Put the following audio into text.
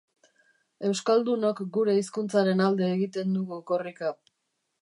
Euskaldunok gure hizkuntzaren alde egiten dugu korrika.